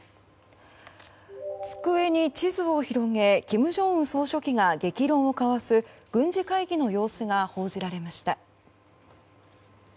机に地図を広げ金正恩総書記が激論を交わす軍事会議の様子が報じられました。